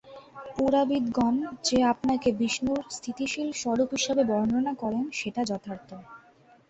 কম বয়সেই তিনি তার পিতার নিকট শিল্পকলা অধ্যয়ন করেন।